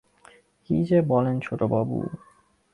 কী যে বলেন ছোটবাবু!